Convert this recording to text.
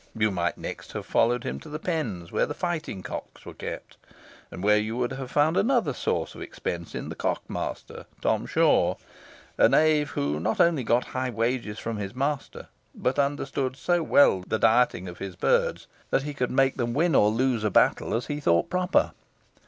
You might next have followed him to the pens where the fighting cocks were kept, and where you would have found another source of expense in the cock master, Tom Shaw a knave who not only got high wages from his master, but understood so well the dieting of his birds that he could make them win or lose a battle as he thought proper.